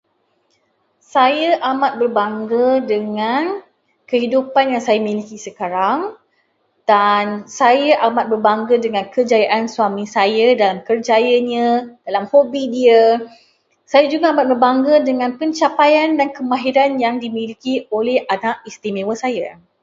Saya amat berbangga dengan kehidupan yang saya miliki sekarang, dan saya amat berbangga dengan kejayaan suami saya dalam kerjayanya, dalam hobi dia. Saya juga amat berbangga dengan pencapaian dan kemahiran yang dimiliki oleh anak istimewa saya.